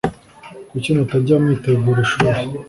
Kuki mutajya mwitegura ishuri